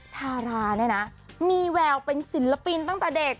ทาราเนี่ยนะมีแววเป็นศิลปินตั้งแต่เด็ก